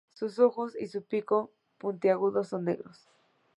Sus ojos y su pico puntiagudo son negros.